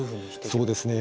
そうですね